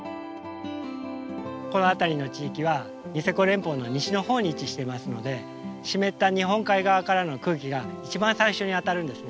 この辺りの地域はニセコ連峰の西の方に位置していますので湿った日本海側からの空気が一番最初にあたるんですね。